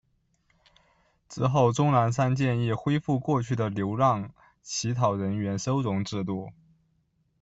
之后钟南山建议恢复过去的流浪乞讨人员收容制度。